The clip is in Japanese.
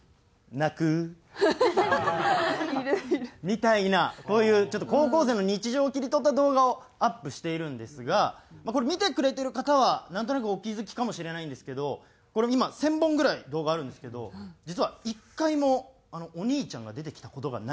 みたいなこういう高校生の日常を切り取った動画をアップしているんですがこれ見てくれてる方はなんとなくお気付きかもしれないんですけどこれ今１０００本ぐらい動画あるんですけど実は１回もお兄ちゃんが出てきた事がないんですよ。